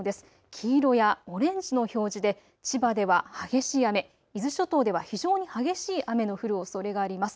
黄色やオレンジの表示で千葉では激しい雨、伊豆諸島では非常に激しい雨の降るおそれがあります。